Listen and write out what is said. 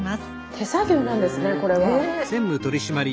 手作業なんですねこれは。ねえ。